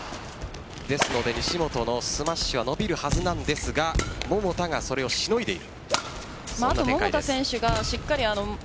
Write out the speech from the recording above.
西本のスマッシュは伸びるはずなんですが桃田がそれをしのいでいる。